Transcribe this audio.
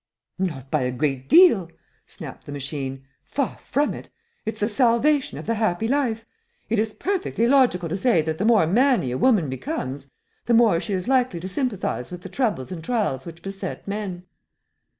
"Not by a great deal," snapped the machine. "Far from it. It's the salvation of the happy life. It is perfectly logical to say that the more manny a woman becomes, the more she is likely to sympathize with the troubles and trials which beset men."